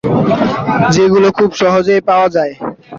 যেগুলো খুব সহজেই পাওয়া যায়।